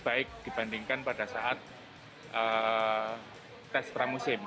baik dibandingkan pada saat tes pramusim